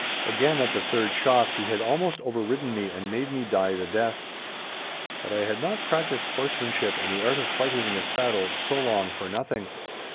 Again at the third shock he had almost overridden me and made me die the death. But I had not practised horsemanship and the art of fighting in the saddle so long for nothing.